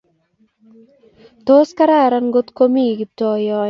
tos kararan ngot ko komii Kiptoo yoee?